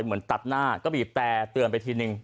เหมือนตัดหน้าก็บีบแต่เตือนไปทีนึง